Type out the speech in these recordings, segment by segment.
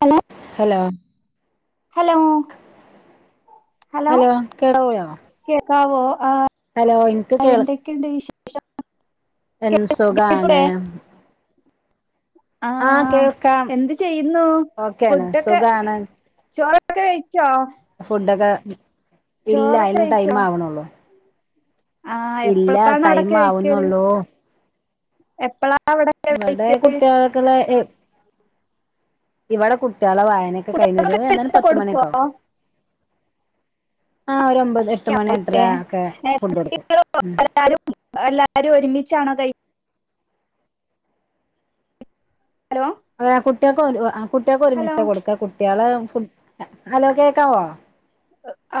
Hello hello hello hello കേടാ പോളോ കാവോ ഹലോ എനിക്ക് കേള് വിശേഷം എ സുഖമാണ് ആഹ എന്ത് ചെയ്യുന്നു ഓക്കെയാണ് ഫുഡൊക്കെ സുഖാണ് ചോറ ക [unintelligible] ച്ചോ ഉ ഇല്ല അയിന് ടൈം ആവണള്ളോ ആ ഇല്ല ടൈം ആവുന്നുള്ളൂ എപ്പഴ ഇവിടെ കുട്ടികൾക്കള [unintelligible] ഇവിടെ കു കുട്ടികളെ വായനൊക്കെ കഴിഞ്ഞരു കുട്ടികൾക്കൊക്കെ എന്നായാലും എടുത്ത് പത്ത് കൊടുക്കോ മണിയൊക്കെ ആകും ആ ഒരു ഒമ്പത് എട്ട് മണി എട്ടര ഒക്കെ ഫുഡ് കൊടുക്കും ഉം എല്ലാരും ഒരുമിച്ചാണോ കൈക്കല് [unintelligible] ഹലോ കുട്ടിയൊക്കെ കുട്ടികൾക്ക് ഹലോ ഒരുമിച്ച കൊടുക്ക കുട്ടികളെ ഹലോ കേക്കാവോ ആ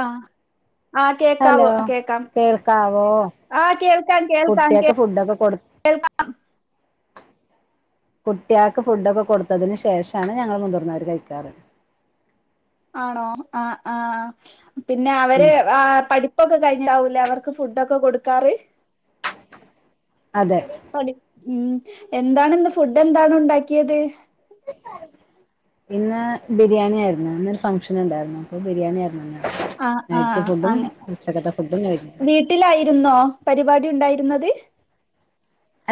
ആ കേൾക്കാവോ ഹലോ കേൾക്കാം കേൾക്കാവോ ആഹ് കേൾക്കാം കേൾക്കാം കുട്ടിയക്ക് കേൾക്കാം കുട്ട്യാൾക്ക് ഫുഡൊക്കെ കൊടുത്തതിന് ശേഷാണ് ഞങ്ങള് മുതിർനോർ കഴിക്കാറ് ആണോ ആ ആ പിന്നെ അവര് ഉം പഠിപ്പൊക്കെ കഴിഞ്ഞിട്ടാവും ല്ലെ അവർക്ക് ഫുഡ്‌ ഒക്കെ കൊടുക്കാറ് അതെ പഠി ഉം എന്താണ് ഇന്ന് ഫുഡ് എന്താണ് ഉണ്ടാക്കിയത് ഇന്ന് ബിരിയാണി ആയിരുന്നു. ഇന്നൊരു ഫംഗ്ഷൻ ഉണ്ടായിരുന്നു. അപ്പൊ ബിരിയാണി ആയിരുന്നു. ആ ആ നൈറ്റ് ഫുഡും അങ്ങെ ഉച്ചക്കത്തെ ഫുഡും കഴിഞ്ഞു വീട്ടിലായിരുന്നോ പരിപാടി ഉണ്ടായി രുന്നത്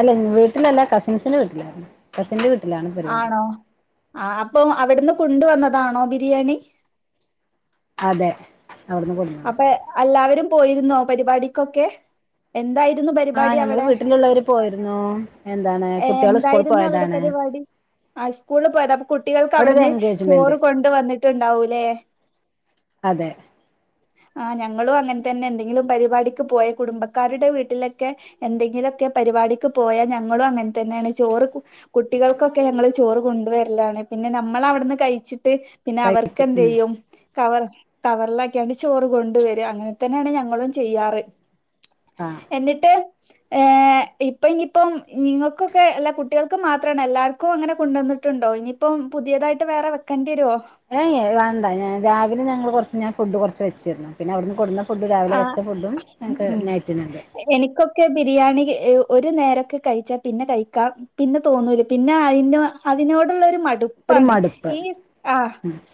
അല്ല വീട്ടിലല്ല കസിൻസിന്റെ വീട്ടിലായിരുന്നു കസിന്റെ വീട്ടി ആണോ ആ അപ്പൊ അവിടുന്ന് കൊണ്ടുവന്നതാണോ ബിരിയാണി അതെ അവിടുന്ന് കൊടുന്നാണ് അപ്പൊ അല്ലാവരും പോയിരുന്നോ പരിപാടിക്കൊക്കെ എന്തായി രുന്നു ആ പരിപാടി ഞങ്ങള് അവടെ വീട്ടിലുള്ളവര് പോയിരുന്നു എന്താണ് ഏ കുട്ടികൾ സ്കൂളിൽ എന്തായിരുന്നു അവിടെ പോയതാണ് പരിപാടി ആ സ്കൂളിൽ പോയത അപ്പൊ കുട്ടികൾക്ക് അവിടെ ഒരു അവിടുന്ന് എൻഗേജ്മെന്റ് ചോറ് കൊണ്ട് വന്നിട്ടുണ്ടാവൂലേ അതെ ആ ഞങ്ങളും അങ്ങനെ തന്നെ എന്തെങ്കിലും പരിപാടിക്ക് പോയാൽ കുടുംബക്കാരുടെ വീട്ടിലൊക്കെ എന്തെങ്കിലു ഒക്കെ പരിപാടിക്ക് പോയാൽ ഞങ്ങളും അങ്ങൻ തന്നെയാണ് ചോറ് കുട്ടികൾക്കൊക്കെ ഞങ്ങൾ ചോറ് കൊണ്ടുവരലാണ്. പിന്നെ നമ്മൾ അവിടുന്ന് കഴിച്ചി ട്ട് പിന്നെ അവർക്ക് കഴിക്കും ഉം എന്തെയും കവർ കവർ ലാ ക്ക്യാണ്ട് ചോറ് കൊണ്ട് വരും അങ്ങനെ തന്നെയാണ് ഞങ്ങളും ചെയ്യാറ് ആ എന്നിട്ട് ഏ ഇപ്പൊ ഇനിയിപ്പം നിങ്ങൾക്കൊക്കെ അല്ല കുട്ടികൾക്ക് മാത്രമാണ് എല്ലാവർക്കും അങ്ങനെ കൊണ്ടുവന്നിട്ടുണ്ടോ ഇനിയിപ്പം പുതിയതായിട്ട് വേറെ വെക്കേണ്ടി വരോ ഏ ഏ വേണ്ട ഞാൻ രാവിലെ ഞങ്ങള് കൊറച്ച് ഞാൻ സ്‌ ഫുഡ് കുറച്ച് വെച്ചിരുന്നു. പിന്നെ അവിടുന്ന് കൊണ്ടന്ന ഫുഡ് രാവിലെ ആഹ് വച്ച ഫുഡും ഞങ്ങൾക്ക് നൈറ്റ്‌ ന്ണ്ട് ക്കെബിരിയാണി ഒരു നേരൊക്കെ കഴിച്ചാ പിന്നെ കഴിക്കാം പിന്നെ തോന്നൂല. പിന്നെ അതി അതിനോടുള്ള ഒരു മട് ഒരു പ്പാണ് മടുപ്പ് ഈ ആ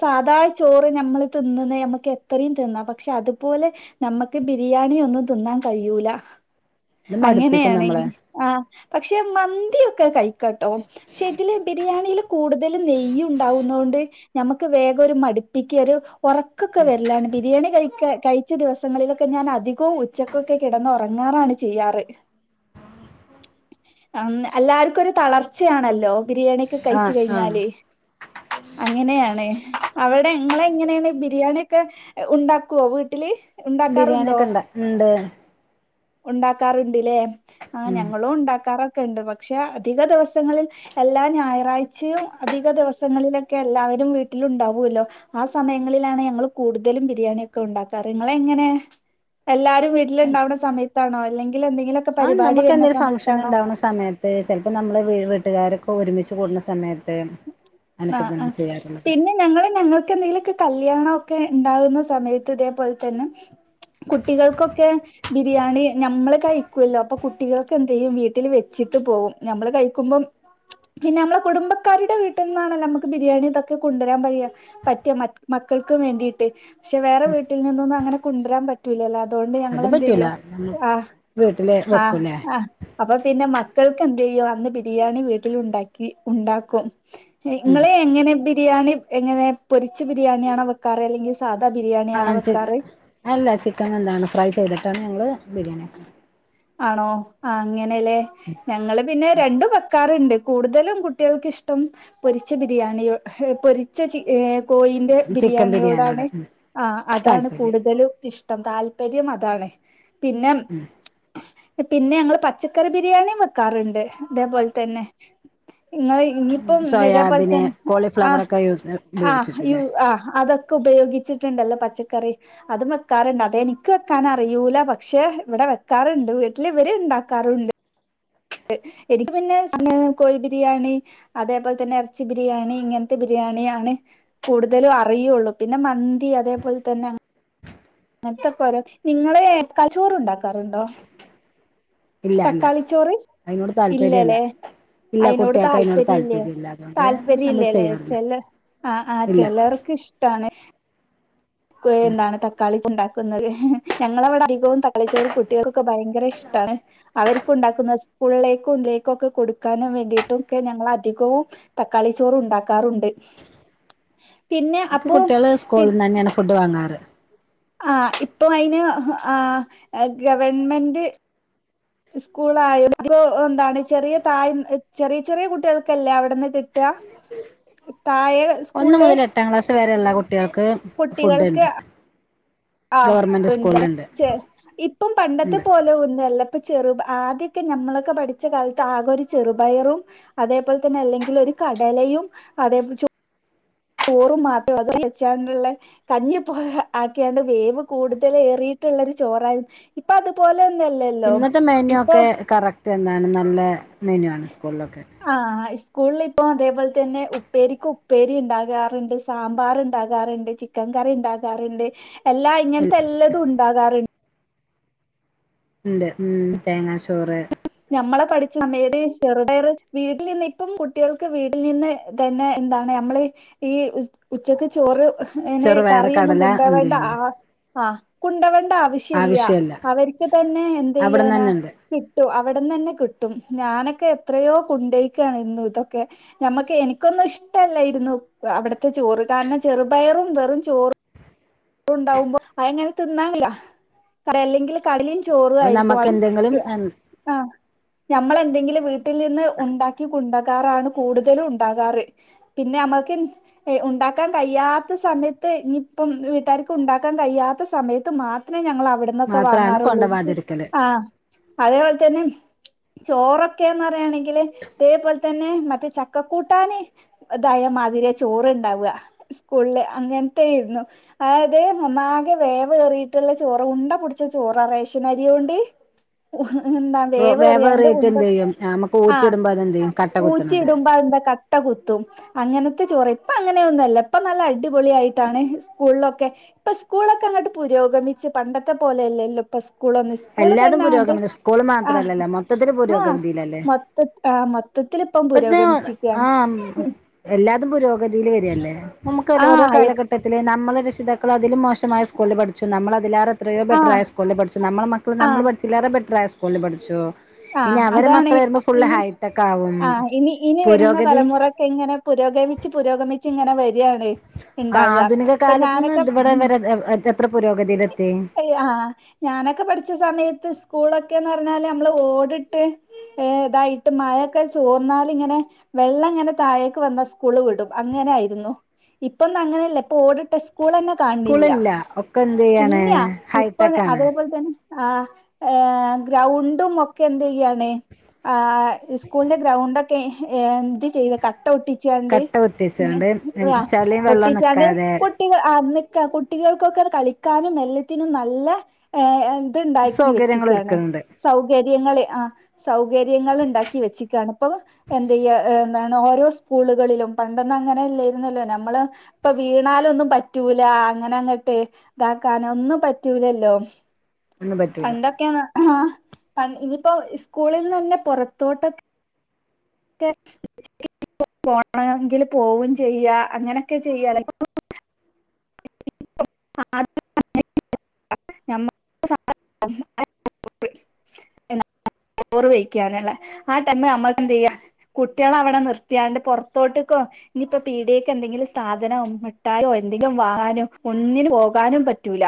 സാധാ ചോറ് നമ്മള് തിന്നുന്നെ നമ്മക്ക് എത്രയും തിന്നാം പക്ഷെ അതുപോലെ നമ്മക്ക് ബിരിയാണി ഒന്നും തിന്നാൻ കഴിയൂല ഇത് മടുപ്പിക്കും അങ്ങനെയാണ് എ നമ്മളെ ആ പക്ഷെ മന്തിയൊക്കെ കഴിക്കാട്ടോ പക്ഷെ ഇതില് ബിരിയാണിയില് കൂടുതല് നെയ്യ് ഉണ്ടാവുന്നൊണ്ട് ഞമ്മക്ക് വേഗം ഒരു മടുപ്പിക്ക ഒരു ഉറക്കൊക്കെ വരലാണ് ബിരിയാണി കഴിക്കാൻ കഴിച്ച ദിവസം സങ്ങളിലൊക്കെ ഞാൻ അധികവും ഉച്ചക്കൊക്കെ കിടന്ന് ഉറങ്ങാറാണ് ചെയ്യാറ് എല്ലാർക്കും ഒരു തളർച്ചയാണല്ലോ ബിരിയാണിയൊക്കെ കഴിച്ച് ആഹ് ആഹ് കഴിഞ്ഞാല് ഒക്കെ ഉണ്ടാക്കുവോ വീട്ടില് ബിരിയാണി ഉണ്ടാക്കാറുണ്ടോ ഒക്കെ ഇണ്ട് ഇണ്ട് ഉണ്ടാക്കാറുണ്ട്ല്ലേ ആഹ് ഉം ഞങ്ങളും ഉണ്ടാക്കാറൊ ക്കണ്ട് പക്ഷെ അധിക ദിവസങ്ങളിൽ എല്ലാ ഞായറാഴ്ചയും അധിക ദിവസങ്ങളിലൊക്കെ എല്ലാവരും വീട്ടില് ഉണ്ടാവുല്ലോ ആ സമയങ്ങളിലാണ് ഞങ്ങൾ കൂടുതലും ബിരിയാണി ഒക്കെ ഉണ്ടാക്കാറ് ഇങ്ങള് എങ്ങനെ എല്ലാരു വീട്ടിലുണ്ടാവുന്ന സമയ ത്താണോ അല്ലെങ്കി ആഹ് നമക്ക് എന്തെങ്കിലും ഫംഗ്ഷൻ ഉണ്ടാവുന്ന സമയത്ത് ചിലപ്പോ നമ്മള് വീട്ടുകാരൊക്കെ ഇപ്പൊ ഒരുമിച്ച് കൂട്ന്ന സമയത്ത് അനൊക്കെ ആഹ് തന്നെ ആഹ് ചെയ്യാറുള്ളത് പിന്നെ ഞങ്ങള് ഞങ്ങൾക്കെന്തെങ്കിലുമൊക്കെ കല്യാണം ക്കെ ഉണ്ടാകുന്ന സമയത്ത് ഇതേപോലെ തന്നെ കുട്ടികൾക്കൊക്കെ ബിരിയാണി ഞമ്മള് കഴിക്കല്ലോ അപ്പൊ കുട്ടികൾക്ക് എന്ത് ചെയ്യും വീട്ടിൽ വെച്ചിട്ട് പോകും നമ്മള് കഴിക്കുമ്പം പിന്നെ നമ്മളെ കുടുംബക്കാരുടെ വീട്ടി വീട്ടിന്നാണെ നമുക്ക് ബിരിയാണി ഇതൊക്കെ കൊണ്ടുവരാൻ പറയാ പറ്റാ മക്കൾക്കും വേണ്ടിട്ട് പക്ഷെ വേറെ വീട്ടിൽ നിന്നൊന്നും അങ്ങനെ കൊണ്ടുരാൻ പറ്റൂലല്ലോ അതുകൊണ്ട് അത് ഞങ്ങള് എന്ത് പറ്റൂല ചെയ്യും നമുക്ക് ആഹ് വീട്ടില് ആഹ് വെക്കൂലേ ആഹ് അപ്പൊ പിന്നെ മ മക്കൾക്ക് എന്ത് ചെയ്യോ അന്ന് ബിരിയാണി വീട്ടിൽ ഉണ്ടാക്കി ഉണ്ടാക്കും ഇങ്ങള് എങ്ങനെ ബി രിയാണി എങ്ങനെ പൊരിച്ച് ബിരിയാണിയാണോ വെക്കാറ് അല്ലെങ്കിൽ സാധാ ബിരിയാണിയാണോ ആഹ് ചി വെക്കാറ് അല്ല ചിക്കൻ എന്താണ് ഫ്രൈ ചെയ്തിട്ടാണ് ഞങ്ങള് ബിരിയാണി വെക്കാ ആണോ ആ അങ്ങെ ല്ലേ ഞങ്ങള് പിന്നെ രണ്ടും വെക്കാർണ്ട് കൂടുതലും കുട്ടികൾക്കിഷ്ടം പൊരിച്ച ബിരിയാണിയോ പൊരിച്ച ചി കോഴിന്റെ ചിക്കൻ ബിരിയാണിയോട് ബിരിയാണിയോടാണ് ഉം ആ അതാണ് താല്പര്യം കൂടുതലും ഇഷ്ടം ടം താല്പര്യം അതാണ് പിന്നെ പിന്നെ ഞങ്ങള് പച്ചക്കറി ബിരിയാണിയും വെക്കാറുണ്ട് അതേപോലെ തന്നെ ഇങ്ങ ഇനിപ്പം ഇതേപോലെ സോയാബീന് തന്നെ ആഹ് കോളിഫ്ലവറൊക്കെ യൂസ് ആഹ് ഉപയോഗിച്ചിട്ടില്ലേ ആഹ് അതൊക്കെ ഉപയോഗിച്ചിട്ടുണ്ടല്ലോ പച്ചക്കറി അതും വെക്കാറുണ്ട് അത് എനിക്ക് വെക്കാൻ അറിയൂല പ പക്ഷെ ഇവിടെ വെക്കാറുണ്ട് വീട്ടിൽ ഇവര് ഇണ്ടാക്കാറുണ്ട് എനിക്ക് പിന്നെ കോഴി ബിരിയാണി അതേപോലെ തന്നെ ഇറച്ചി ബിരിയാണി ഇങ്ങനത്തെ ബിരിയാണി ആണ് കൂടുതലും അറിയുള്ളു പിന്നെ മന്തി അതേപോലെ തന്നെ അങ്ങനെത്തൊക്കെ ഓരോ നിങ്ങള് കച്ചോറ് ഉണ്ടാക്കാറുണ്ടോ ഇല്ല ഇല്ല തക്കാളിച്ചോറ് അതിനോട് താല്പര്യല്ല ഇല്ലല്ലേ ഇല്ല അയിനോട് കുട്ടികൾക്ക് അതിനോട് താല്പര്യ ഇല്ലേ താല്പര്യമില്ല അതുകൊണ്ട് താല്പര്യ നമ്മൾ ഇല്ലല്ലേ ചെയ്യാറില്ല ച ആ ആഹ് ഇല്ല ചെലർക്ക് ഇഷ്ടാണ് എന്താണ് തക്കാളി ചുണ്ടാക്ക ഞങ്ങളവിടെ അധികവും തക്കളി ച്ചോറും കുട്ടികൾ- ഭയങ്കര ഇഷ്ട അവർ ഉണ്ടാക്കുന്ന സ്കൂളിലേക്കും ഇലേക്കും ഒക്കെ കൊടുക്കാനും വേണ്ടിയിട്ടും ഒക്കെ ഞങ്ങങ്ങള അധികവും തക്കാളി ചോറ ഉണ്ടാക്കാറുണ്ട് പിന്നെ എ അപ്പോ കുട്ടികള് പി സ്കൂളിൽ നി തന്നെയാണ് ഫുഡ് വാറ് അ [inaudible] ആ ഇപ്പൊ അതിന് ആ ഗവൺമെന്റ് സ്കൂളായ എന്താണ് ചെറിയ ചെറിയ കുട്ടികൾക്കല്ലേ അവിടെന്ന് കിട്ടാ താഴെ ഒന്നു സ്കൂളില് മുതൽ എട്ടാം ക്ലാസ് വരെ ഉള്ള കുട്ടികൾ കുട്ടികൾക്ക് കുട്ടികൾക്ക് ഫുഡ്ണ്ട് ആ ഇപ്പം പണ്ടത്തെ ഉണ്ട് പോലെ ഒന്ന് ആദ്യൊക്കെ നമ്മളൊക്കെ പഠിച്ച കാലത്ത് ആകെ ഒരു ചെറുപയറും അതേപോലെ തന്നെ അല്ലെങ്കിൽ ഒരു കടലയും അതേ- ചോറും മാത്രം അത് വെച്ചാണ്ടുള്ള കഞ്ഞിപ്പ ആക്കിയാണ്ട് വേവ കൂടുതലേറി ചോറരുന്നു ഇപ്പ അതുപോലെ ഒന്നല്ലല്ലോ ഇന്നത്തെ മെനു ഇപ്പൊ ഒക്കെ കറക്റ്റ് എന്താണ് നല്ല- മെനു ആണ് സ്കൂളിലൊക്കെ ആഹ് സ്കൂളിൽ ഇപ്പൊ അതേപോലെ തന്നെ ഉപ്പേരിക്ക് ഉപ്പേരി ഉണ്ടാകാറുണ്ട് സാമ്പാർ ഉണ്ടാകാറുണ്ട് ചിക്കൻ കറി ഉണ്ടാകാറുണ്ട് എല്ലാ ഇങ്ങനത്തെ എല്ലതും ഉണ്ടാകാറുണ്ട് ഉണ്ട് മം തേങ്ങാ ചോറ് നമ്മളെ പഠിച്ച സമയ ചെറുതയ വീട്ടിൽ നിന്ന് ഇപ്പം കുട്ടികൾക്ക് വീട്ടിൽ നിന്ന് തന്നെ എന്താണ് നമ്മൾ ഈ ഉച്ചക്ക് ചോറ്- അതിനു ചെറുപയർ കറിയൊന്നും കടല എന്ത് കൊണ്ടകണ്ട ചെയ്യണം ആ- ആ കുണ്ടവൻ ആശ്യ ഇില്ല ആവശ്യല്ല അവർക്ക് തന്നെ എന്ത് അവിടന്ന് ചെയ്യാന തന്നെ ഉണ്ട് കിട്ടും തന്നെ കിട്ടും ഞാനൊക്കെ എത്രയോ കൊണ്ടക്കയാണ് ഇരുന്നു ഇതൊക്കെ നമ്മക്ക് എനിക്കൊന്നും ഇഷ്ടല്ല ഇരുന്നു അവിടത്തെ ചോറ് കാരണം ചെറുപയറും വെറും ചോറണ്ടാവുമ്പോ അങ്ങനെ തിന്നാല്ല അല്ലെിൽ കട ചോറു അപ്പൊ ആയിരിക്കും നമുക്ക് എന്തെങ്കിലും അ- നമ്മൾ എന്തെങ്കിലും വീട്ടിൽ വീട്ടിൽ നിന്ന് ഉണ്ടാക്കി കൂടുതലും ഉണ്ടാകാറ് പിന്നെ നമ്മൾക്ക് ഉണ്ടാക്കാൻ കഴിയാത്ത സമയത്ത് ഇനിപ്പം വീട്ടാർക്ക് ഉണ്ടാക്കാൻ കഴിയാത്ത സമയത്ത് മാത്രം ഞവിടൊക്കെ മാത്രമാണ് വാങ്ങാറുള്ളൂ കൊണ്ടവാതിരിക്കല് എ അപലെ [unintelligible] ചോറൊക്കെന്ന് പറയയാണെങ്കില് അതേപോലെ തന്നെ മറ്റ ചക്കക്കൂട്ടാന് മാതിരി ചോറ്ണ്ടാവുക സ്കൂളില് അങ്ങനത്തെ ഇരുന്നു അതായത് ഒന്നാകെ വേവയറിയിട്ടുള്ള ചോറ് ഉണ്ട പിടിച്ച ചോറാ റേഷൻ അരിണ്ട് വേവ് റേറ്റ് എന്തെയ്യും ഞമ്മക്ക് ഊറ്റി ആഹ് ഇടുമ്പോ അതെന്തെയ്യും കട്ട കുത്തണത് ട്ട കുത്തും അങ്ങനത്തെ ചോറ ഇപ്പ അങ്ങന്നെയൊന്നുല്ല ഇപ്പ നല്ല അടിപൊളിയായിട്ടാണ് സ്‌കൂളിലൊക്കെ ഇപ്പൊ സ്കൂളൊക്കെ അങ്ങട്ട് പുരോഗമിച്ച് പണ്ടത്തെ പോലെയല്ലല്ലോ ഇപ്പ സ് സ്കൂളൊന്ന് സ്കൂള് എല്ലാതും തന്നാ അതെ പുരോഗമന സ്കൂള് ആ മാത്രല്ലല്ലോ മൊത്തത്തിൽ ആ പുരോഗതിയിലല്ലേ മൊത്ത ആ മൊത്തത്തില് ഇപ്പം ഇപ്പത്തെ പുരോഗമിച്ചിക്കാണ് ആ ഉം എല്ലാതും പുരോഗതിയിൽ വര് അല്ലെ [unintelligible] നമുക്കല്ലേ ഓരോ ആഹ് കാലഘട്ടത്തില് നമ്മള് [unintelligible] അതിലും മോശമായ സ്കൂളില് പഠിച്ചു നമ്മള് അതിലാറെ എത്രയോ ആഹ് ബെറ്ററായ സ്കൂളിൽ പഠിച്ചു നമ്മള മക്കൾ നമ്മൾ ആഹ് പഠിച്ചില്ലല്ലാരേ ബെറ്ററായ സ് [unintelligible] പഠിച്ചോ ഇനി ആഹ് അവരെ അതാണ് മക്കള് വരുമ്പോ ഫുള്ള് ഇനി ഹൈടെക്ക് ആവും ആഹ് ഇനി ഇനി വരുന്ന പുരോഗതി തലമുറൊക്കെ ഇങ്ങനെ പുരോഗമിച്ച് പുരോഗമിച്ച് ഇങ്ങനെ വര്യാണ് ആ ആധുനിക കാലത്ത്ന്ന് ത് ഇവിടെ വരെ എത്ര പുരോഗതില് അയ്യാ ആ ഞാനൊക്കെ പഠിച്ച സമയത്ത് സ്കൂളൊക്കെന്ന് പറഞ്ഞാല് നമ്മള് ഓടിട്ട് ഏ ഇതായിട്ട് മഴൊക്കെ ചോർന്നാൽ ഇങ്ങനെ വെള്ളം ഇങ്ങനെ താഴേക്ക് വന്നാ സ്കൂള് വിടും അങ്ങനെ ആയിരുന്നു ഇപ്പൊന്നും അങ്ങനെയല്ല ഇപ്പൊ ഓടിട്ട് സ്കൂളല്ല ഒക്കെ എന്ത് ചെയ്യാണ് [unintelligible] ഇപ്പൊ ഹൈടെക് ആണ് അതേപോലെ തന് ആ ഏ ഗ്രൗണ്ടും ഒക്കെ എന്തെയ്യാണ് ആ സ്കൂളിന്റെ ഗ്രൗണ്ട് ഒ [unintelligible] എന്ത് ചെയ്ത കട്ടോട്ടി ചാണ്ട് കട്ട കുത്തിച്ചാണ്ട് [unintelligible] ചളിയും വെള്ളം ഒട്ടിച്ചാണ്ട് നിക്കാതെ കുട്ടിക അ ന്ന് ക കുട്ടികൾക്കൊക്കെ അത് കളിക്കാനും എല്ല ത്തിനും നല്ല ഏ ഇത്ണ്ടാക്കി സൗകര്യങ്ങൾ വെച്ചക്കാണ് ഒരുക്കുന്നുണ്ട് സൗകര്യങ്ങളെ ആ സൗ കര്യങ്ങൾ ഇണ്ടാക്കി വെച്ചക്കാണ് ഇപ്പൊ എന്തെയ്യ [unintelligible] ഓരോ സ്കൂളുകളിലും പണ്ടന്നുംങ്ങനെല്ലായിരുന്നല്ലോ നമ്മള് ഇപ്പ വീണാലൊന്നും പറ്റൂല അങ്ങനെങ്ങട്ടെ ഇതാക്കാനൊന്നും പറ്റൂലല്ലോ ഒന്നും പറ്റൂല പണ്ടൊക്കെയാന്ന് അഹാ പ [unintelligible] ഇനിപ്പോ സ്കൂളിന്ന് തന്നെ പുറത്തോട്ടൊക്കെ [inaudible] പോണെങ്കിൽ പോവും ചെയ്യ അങ്ങനെ ഒക്കെ ചെയ്യാണ് റ് വിക്കാനുള്ള ആ ടൈമ്മ നമ്മൾക്ക് എന്ത് ചെയെയ്യ കുട്ടികള അവിടെ നിർത്തിയാണ്ട് പുൊറത്തോട്ടേക്കോ ഇനിയിപ്പോ പീഡിയക്ക്െ എന്തെങ്കിലും സാധനം വിിട്ടാലോ എ [unintelligible] അധികം വാഹാനും ഒന്നിന് പോകാനും പറ്റൂല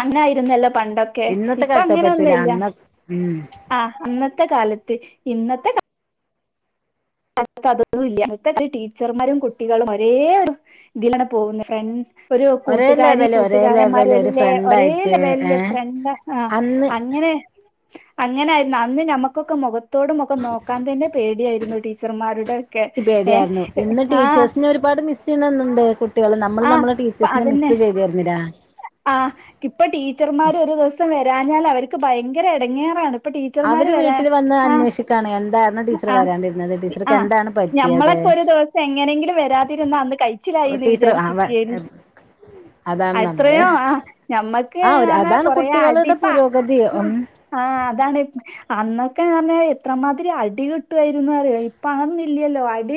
അങ്ങനെ ആരുന്നല്ലാം പണ്ടൊക്കെ ഇന്നത്തെ ഇപ്പൊ കാലത്തെ അങ്ങനെ പറ്റൂല ഒന്നുല്ല അന്ന് ഉം ആ അനത്ത ഇന്നത്തെ കാലത്ത് ഇന്നത്തെ ക അ അതൊന്നുംല്ല അത്തെ ടീച്ചർമാരും കുട്ടികളും ഒരേ ഇതിലാണ് പോകുന്നത് ഫ്രണ്ട് ഒരു ഒരേ കൂട്ടുകാരി ലെവല് ഒരേ ലെവല് ഒരു കൂട്ടുകാരന്മാരല്ലേ ഒരേ ഫ്രണ്ടായിട്ട് ഏ ലവല് ഫ്രണ്ട് ആ അന്ന് അങ്ങനെ അങ്ങനൊയിരുന്നു അന്ന് മ്മക്ക് ക്ക മൊഖത്ത് ത്തോടു മുഖംനോക്കാൻ തന്നെ പേടിയായിരുന്നു ട്ടി ച്ചർമാരുടെ ഒക്കെ ഏ ആഹ് ത്തിനൊന്ന്ണ്ടേക്കും ആഹ് അതന്നെ ചെയ്തിരുന്നില്ല ആ കിപ്പൊ ടീച്ചർമാര് ഒരു ദസം വരാഞ്ഞാൽ അവർ ക്ക്ഭയങ്കര എടങ്ങോറ പ്പെ ടീച്ചർമാര് അവര് വരാ വീട്ടിൽ വന്ന് ആ അന്വേഷിക്കാണ് എന്തായിരുന്നു ടീച്ചർ ആ വരാണ്ടിരുന്നത് ആ ടീച്ചർക്ക് എന്താണ് പറ്റിയത് ഞമ്മളൊക്കെ ഒരു ദിവസം എങ്ങനെങ്കിലും വരാതിരുന്ന അന്ന് കഴിച്ചിലായിന്ന് ടീച്ചർ വിചാരിച്ചു ആ വ ചിക്കെരി അതാണ് നമ്മള് അത്രയോ ആ ഞമ്മക്ക് ആ ഒരു പറന്നാ അതാണ് കൊറ അടി കുട്ടികളുടെ പ്പ പുരോഗതി ഉം ആ അതാണ് അന്നൊക്കെ പറഞ്ഞ എത്രമാതിരി അടി കിട്ടുവായിരുന്നു അറിയോ ഇപ്പ അഹൊന്നു ഇല്ലല്ലോ അടി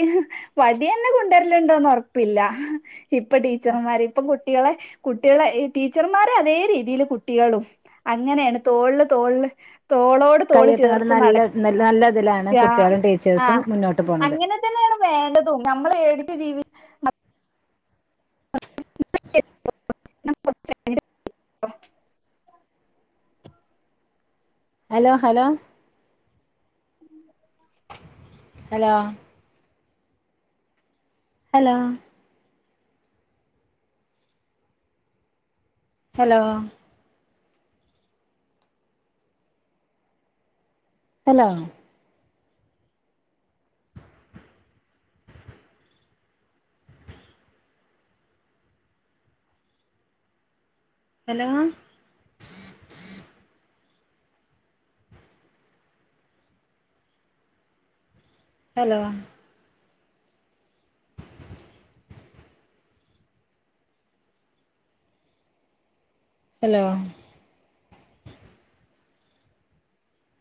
വടിയെന്നെ കൊണ്ടർല്ണ്ടോന്നൊർപ്പില്ല ഇപ്പൊ ടീച്ചർമാര് ഇപ്പ കു കുട്ടികളെ കുട്ട്യേ ളെ ഇ ടീച്ചർമാരെ അതേ രീതിയില് കുട്ടികളും അങ്ങനേണ് തോള്ള് തോള് കൈ്യെട്ടങ്ങാട്ടും നല്ല ന നല്ല ഇതിലാണ് യ കുട്ടികളും ആ ടീച്ചേഴ്സും മുന്നോട്ട് പോണത് അങ്ങനെ തന്നെയാണ് വേണ്ടതും നമ്മൾ എടു ജീ [inaudible] ഹലോ ഹലോ ഉം hello hello hello hello hello hello hello